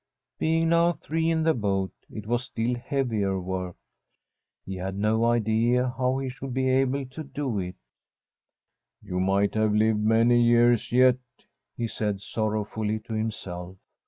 Being now three in the boat, it was still heavier work. He had no idea how he should be able to do it. ' You might have lived many years yet,' he said sorrowfully to himself.